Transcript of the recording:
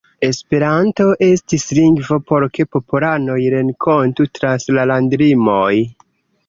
Esperanto estas lingvo por ke popolanoj renkontu trans la landlimoj.